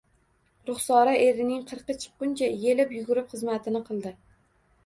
Ruxsora erining qirqi chiqquncha elib yugurib xizmatini qildi